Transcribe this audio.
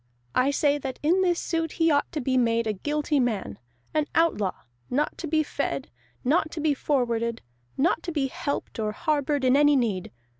I say that in this suit he ought to be made a guilty man, an outlaw, not to be fed, not to be forwarded, not to be helped or harbored in any need.